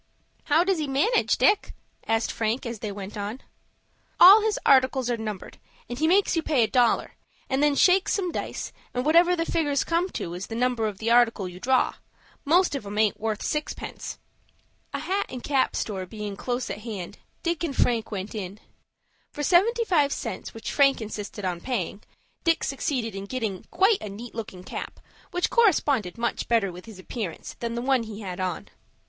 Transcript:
"How does he manage, Dick?" asked Frank, as they went on. "All his articles are numbered, and he makes you pay a dollar, and then shakes some dice, and whatever the figgers come to, is the number of the article you draw. Most of 'em aint worth sixpence." A hat and cap store being close at hand, Dick and Frank went in. For seventy five cents, which Frank insisted on paying, Dick succeeded in getting quite a neat looking cap, which corresponded much better with his appearance than the one he had on.